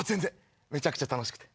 めちゃくちゃ楽しくて。